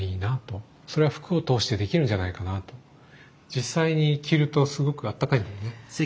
実際に着るとすごくあったかいんだよね。